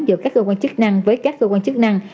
giữa các cơ quan chức năng với các cơ quan chức năng